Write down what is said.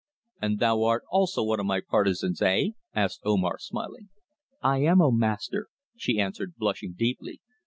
"And thou art also one of my partisans eh?" asked Omar, smiling. "I am, O Master," she answered blushing deeply.